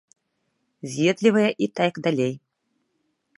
З'едлівыя і так далей.